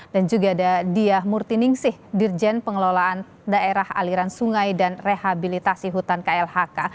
dan juga ada diah murtiningsih dirjen pengelolaan daerah aliran sungai dan rehabilitasi hutan klhk